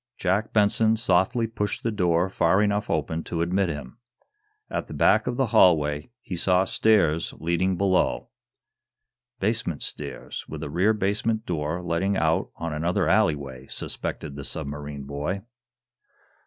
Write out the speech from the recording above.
Jack Benson softly pushed the door far enough open to admit him. At the back of the hallway he saw stairs leading below. "Basement stairs, with a rear basement door letting out on another alleyway!" suspected the submarine boy.